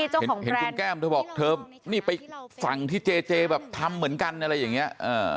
เห็นคุณแก้มเธอบอกนี่ไปฟังที่เจเจมาับทำเหมือนกันเลยเนี่ย